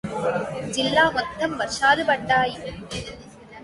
జిల్లా మొత్తం వర్షాలు పడ్డాయి.